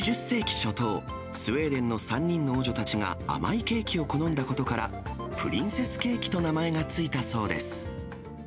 ２０世紀初頭、スウェーデンの３人の王女たちが甘いケーキを好んだことから、プリンセスケーキと名前が付いたそうです。